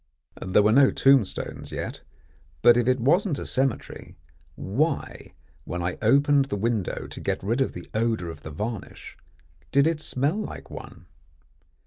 There were no tombstones yet, but if it wasn't a cemetery, why, when I opened the window to get rid of the odour of the varnish, did it smell like one?